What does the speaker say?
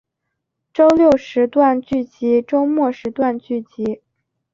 周六时段剧集周末时段剧集